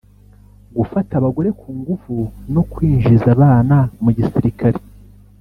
gufata abagore ku ngufu no kwinjiza abana mu gisirikare